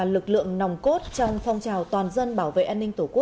lực lượng nòng cốt trong phong trào toàn dân bảo vệ an ninh tổ quốc tại cơ sở